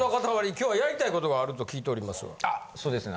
今日はやりたいことがあると聞いておりますが。